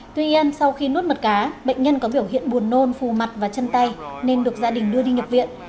tuy nhiên sau khi nuốt mật cá bệnh nhân có biểu hiện buồn nôn phù mặt và chân tay nên được gia đình đưa đi nhập viện